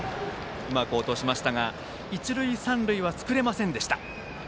うまく落としましたが一塁三塁は作れませんでした。